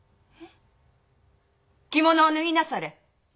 着物を脱ぎなされ。